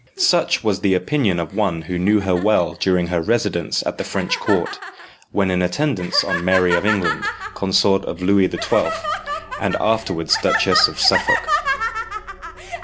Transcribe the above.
Such was the opinion of one who knew her well during her residence at the French court, when in attendance on Mary of England, consort of Louis XII., and afterwards Duchess of Suffolk.